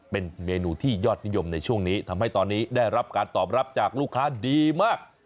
เป็นเมนูที่ยอดนิยมในช่วงนี้ทำให้ตอนนี้ได้รับการตอบรับจากลูกค้าดีมาก